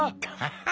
ハハハ。